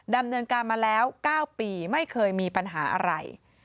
ดำเนินการมาแล้ว๙ปีไม่เคยมีปัญหาอะไร